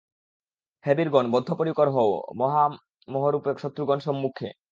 হে বীরগণ! বদ্ধপরিকর হও, মহামোহরূপ শত্রুগণ সম্মুখে।